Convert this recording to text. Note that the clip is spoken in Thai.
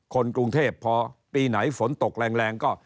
คนกรุงเทพพอปีไหนฝนตกแรงก็